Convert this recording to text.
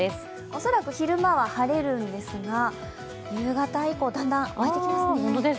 恐らく昼間は晴れるんですが、夕方以降、だんだん沸いてきますね。